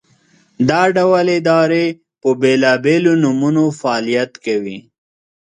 دا ډول ادارې په بېلابېلو نومونو فعالیت کوي.